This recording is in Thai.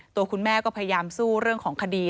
ตัวคุณแม่ก็พยายามสู้เรื่องของคดี